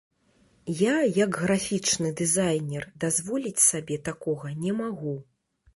Я, як графічны дызайнер, дазволіць сабе такога не магу.